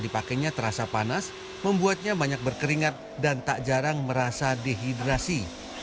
dipakainya terasa panas membuatnya banyak berkeringat dan tak jarang merasa dehidrasi